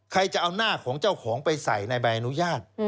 ใครจะเอาหน้าของเจ้าของไปใส่ในใบอนุญาต